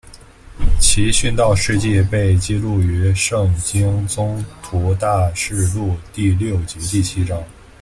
其殉道事迹被记载于圣经宗徒大事录第六及第七章。